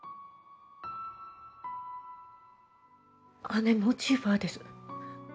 姉のジーファーです。